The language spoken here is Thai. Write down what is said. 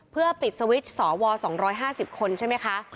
เพื่อปิดสวิตช์สว๒๕๐คนใช่ไหมคะ